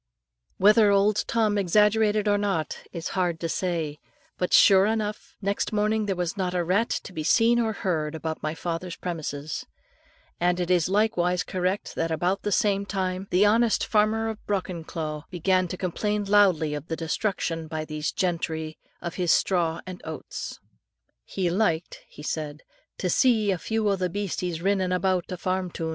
Whether old Tom exaggerated or not is hard to say; but sure enough, next morning there was not a rat to be seen or heard about my father's premises; and it is likewise correct that about the same time, the honest farmer of Brockenclough, began to complain loudly of the destruction by these gentry of his straw and oats. "He liked," he said, "to see a few o' the beasties rinnin' aboot a farm toon.